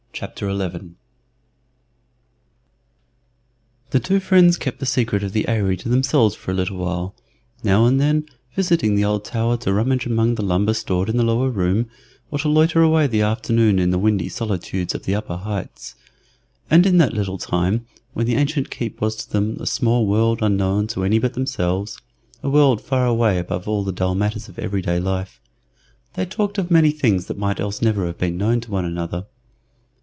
CHAPTER 11 THE TWO friends kept the secret of the Eyry to themselves for a little while, now and then visiting the old tower to rummage among the lumber stored in the lower room, or to loiter away the afternoon in the windy solitudes of the upper heights. And in that little time, when the ancient keep was to them a small world unknown to any but themselves a world far away above all the dull matters of every day life they talked of many things that might else never have been known to one another.